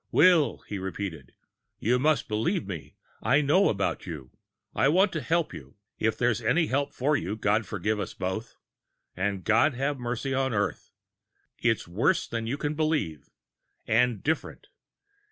"Will," he repeated. "You must believe me. I know about you. I want to help you if there's any help for you, God forgive us both. And God have mercy on Earth. It's worse than you can believe and different.